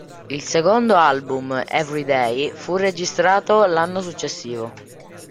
Il secondo album "Everyday" fu registrato l'anno successivo.